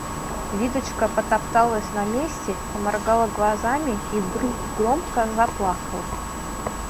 Лидочка потопталась на месте, поморгала глазами и вдруг громко заплакала.